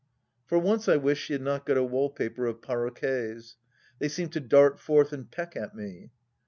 For once I wished she had not got a wallpaper of paro quets ; they seemed to dart forth and peck at me.